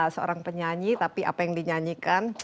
seorang penyanyi tapi apa yang dinyanyikan